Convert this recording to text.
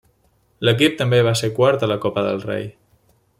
L'equip també va ser quart a la Copa del Rei.